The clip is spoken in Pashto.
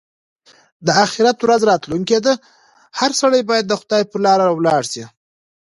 د اخيرت ورځ راتلونکې ده؛ هر سړی باید د خدای پر لاره ولاړ شي.